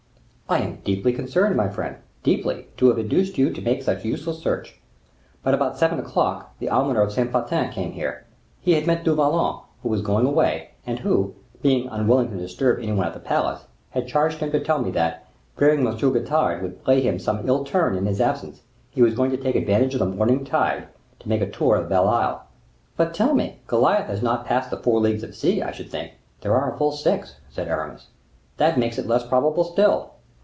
"I am deeply concerned, my friend, deeply, to have induced you to make such a useless search; but, about seven o'clock, the almoner of Saint Patern came here. He had met Du Vallon, who was going away, and who, being unwilling to disturb anybody at the palace, had charged him to tell me that, fearing M. Getard would play him some ill turn in his absence, he was going to take advantage of the morning tide to make a tour of Belle Isle." "But tell me, Goliath has not crossed the four leagues of sea, I should think." "There are full six," said Aramis. "That makes it less probable still."